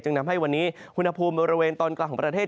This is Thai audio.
นำให้วันนี้อุณหภูมิบริเวณตอนกลางของประเทศ